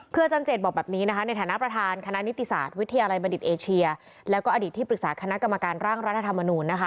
คืออาจารย์เจตบอกแบบนี้นะคะในฐานะประธานคณะนิติศาสตร์วิทยาลัยบัณฑิตเอเชียแล้วก็อดีตที่ปรึกษาคณะกรรมการร่างรัฐธรรมนูญนะคะ